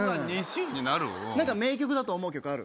何か名曲だと思う曲ある？